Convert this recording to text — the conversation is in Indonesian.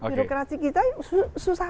birokrasi kita susah